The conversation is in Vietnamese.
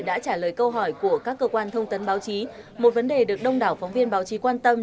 đã trả lời câu hỏi của các cơ quan thông tấn báo chí một vấn đề được đông đảo phóng viên báo chí quan tâm